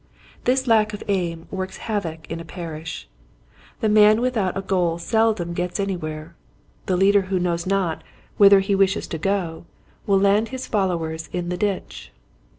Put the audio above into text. This lack of aim works havoc in a par ish. The man without a goal seldom gets anywhere. The leader who knows not TJie Value of a Target. 8/ whither he wishes to go, will land his fol lowers in the ditch.